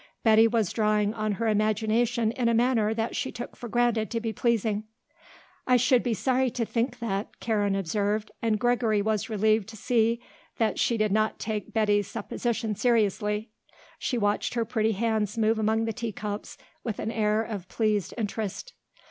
Betty was drawing on her imagination in a manner that she took for granted to be pleasing. "I should be sorry to think that," Karen observed and Gregory was relieved to see that she did not take Betty's supposition seriously. She watched her pretty hands move among the teacups with an air of pleased interest.